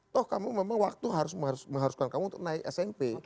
toh kamu memang waktu mengharuskan kamu untuk naik smp